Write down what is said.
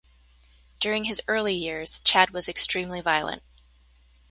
During his early years, Chad was extremely violent.